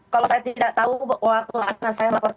kalau saya tidak tahu waktu anak saya melakukan pemkop jambi